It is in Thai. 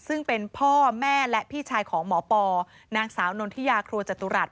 ซึ่งเป็นพ่อแม่และพี่ชายของหมอปอนางสาวนนทิยาครัวจตุรัส